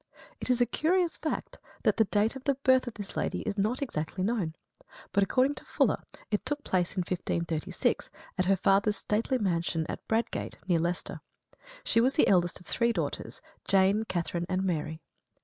It is a curious fact that the date of the birth of this lady is not exactly known; but, according to Fuller, it took place in 1536, at her father's stately mansion, of Bradgate, near Leicester. She was the eldest of three daughters, Jane, Katherine and Mary.